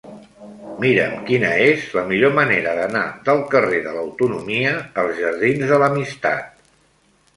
Mira'm quina és la millor manera d'anar del carrer de l'Autonomia als jardins de l'Amistat.